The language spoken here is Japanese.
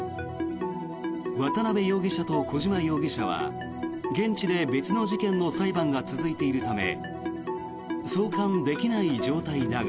渡邉容疑者と小島容疑者は現地で別の事件の裁判が続いているため送還できない状態だが。